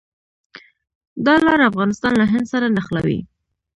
دا لار افغانستان له هند سره نښلوي.